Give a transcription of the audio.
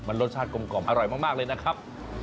รสชาติกลมอร่อยมากเลยนะครับ